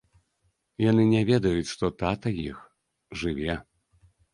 Яны не ведаюць, што тата іх жыве.